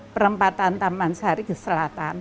perempatan taman sari ke selatan